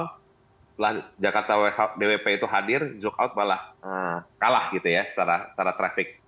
setelah dwp itu hadir zook out malah kalah gitu ya secara trafik